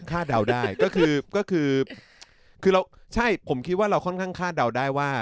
คาดเดาได้ก็คือผมคิดว่าเราค่อนข้างคาดเดาได้ว่า